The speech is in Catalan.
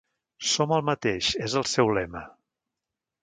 Som el mateix és el seu lema.